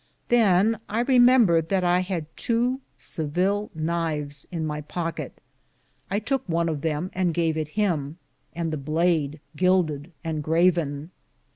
Than I remembered that I had tow severall (Seville ?) knyfes in my pocket. I toke one of them and gave it him, and the blad gilded and graven.